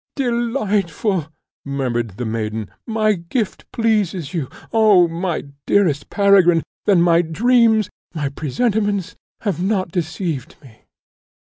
"Delightful!" murmured the maiden, "my gift pleases you! Oh, my dearest Peregrine, then my dreams, my presentiments, have not deceived me!"